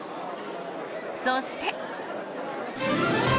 そして。